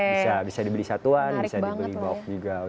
bisa ya bisa dibeli satuan bisa dibeli box juga